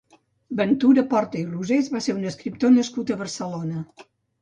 Ventura Porta i Rosés va ser un escriptor nascut a Barcelona.